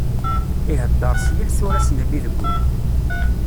Iheddeṛ s yiles ur as-nelli deg ul.